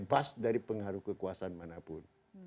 bebas dari pengaruh kekuasaan manapun